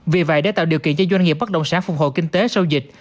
vì vậy để tạo điều kiện cho doanh nghiệp bất động sản phục hồi kinh tế sau dịch